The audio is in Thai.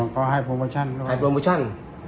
เขาให้โปรโมชั่น